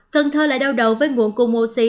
cần thơ lại đau đầu với nguồn cung oxy